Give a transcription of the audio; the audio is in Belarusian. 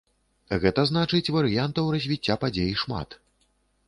Гэта значыць варыянтаў развіцця падзей шмат.